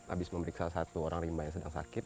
habis memeriksa satu orang rimba yang sedang sakit